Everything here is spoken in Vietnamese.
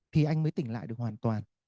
thì anh mới tỉnh lại được hoàn toàn